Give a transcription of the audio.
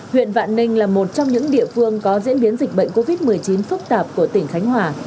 huyện vạn ninh là một trong những địa phương có diễn biến dịch bệnh covid một mươi chín phức tạp của tỉnh khánh hòa